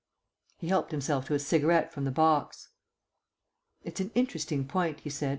He helped himself to a cigarette from the box. "It's an interesting point," he said.